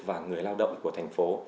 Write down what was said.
và người lao động của thành phố